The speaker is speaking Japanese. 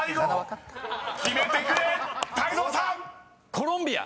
「コロンビア」！